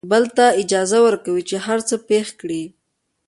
بل ته اجازه ورکوي چې هر څه پېښ کړي.